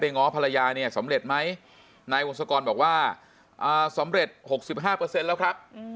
ง้อภรรยาเนี่ยสำเร็จไหมนายวงศกรบอกว่าสำเร็จ๖๕แล้วครับ